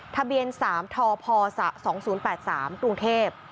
ทะเบียน๓ทพ๒๐๘๓กรุงเทพฯ